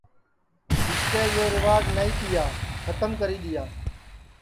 اِٻکے یو ریوج نائی تیا کھتم کری دؔیا